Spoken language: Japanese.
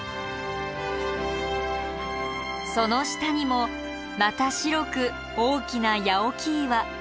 その下にもまた白く大きな八起岩。